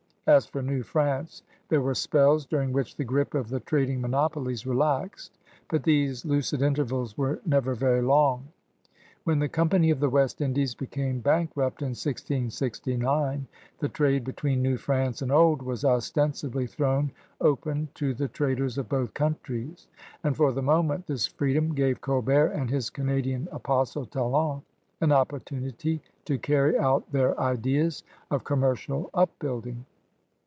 As for New Prance, there were spells during which the grip of the trading monopolies relaxed, but these lucid intervals were never very long. When the Company of the West Indies became bankrupt in 1669, the trade between New France and Old was ostensibly thrown open to the traders of both countries, and for the moment this freedom gave Colbert and his Canadian apostle. Talon, an opportunity to carry out their ideas of commercial upbuilding.